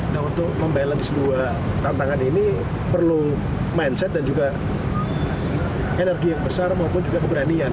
nah untuk membalance dua tantangan ini perlu mindset dan juga energi yang besar maupun juga keberanian